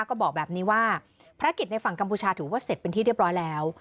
ก็บอกแบบนี้ว่าภารกิจในฝั่งกัมพูชาถือว่าเสร็จเป็นที่เรียบร้อยแล้ว